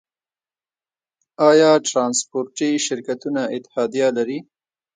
آیا ټرانسپورټي شرکتونه اتحادیه لري؟